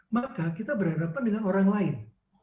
maka kita berhadapan dengan orang lain